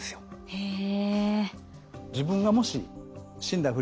へえ。